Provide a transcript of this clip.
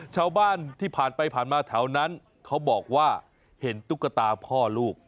ชาวบ้านที่ผ่านไปผ่านมาแถวนั้นเขาบอกว่าเห็นตุ๊กตาพ่อลูก